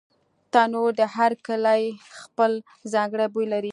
تنور د هر کلي خپل ځانګړی بوی لري